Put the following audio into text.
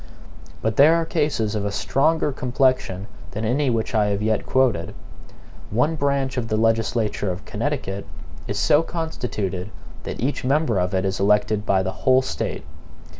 But there are cases of a stronger complexion than any which I have yet quoted. One branch of the legislature of Connecticut is so constituted that each member of it is elected by the whole State.